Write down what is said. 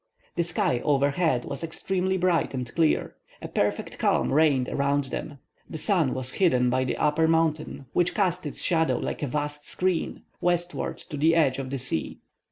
The sky overhead was extremely bright and clear. A perfect calm reigned around them. The sun was hidden by the upper mountain, which cast its shadow, like a vast screen, westward to the edge of the sea.